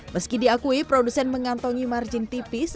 meski diakui produsen mengantongi margin tipis